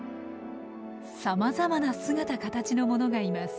さまざまな姿形のものがいます。